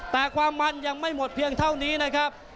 แต่ความมันยังไม่หมดเพียงเท่านี้นะครับ